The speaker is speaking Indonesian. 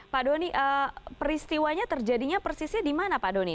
pak doni peristiwanya terjadinya persisnya di mana pak doni